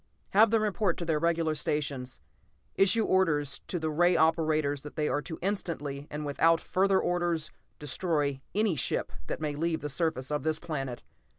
"Have them report to their regular stations. Issue orders to the ray operators that they are to instantly, and without further orders, destroy any ship that may leave the surface of this planet.